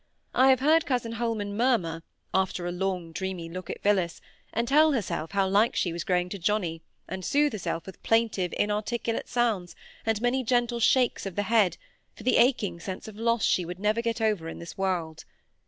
I have heard cousin Holman murmur, after a long dreamy look at Phillis, and tell herself how like she was growing to Johnnie, and soothe herself with plaintive inarticulate sounds, and many gentle shakes of the head, for the aching sense of loss she would never get over in this world.